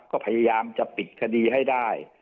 ก็พยายามจะปิดคดีให้ได้